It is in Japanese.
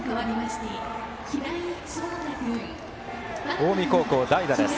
近江高校、代打です。